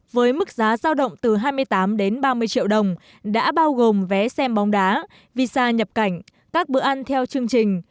với mức giá giao động từ hai mươi tám đến ba mươi triệu đồng đã bao gồm vé xem bóng đá visa nhập cảnh các bữa ăn theo chương trình